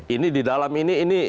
ini di dalam ini ini